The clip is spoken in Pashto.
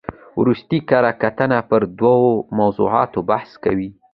ورستۍ کره کتنه پر درو موضوعاتو بحث کوي.